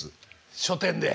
書店で？